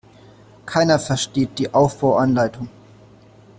Keiner versteht die Aufbauanleitung.